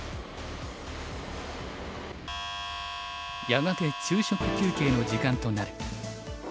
やがて昼食休憩の時間となる。